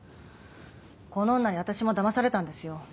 この女に私もだまされたんですよ。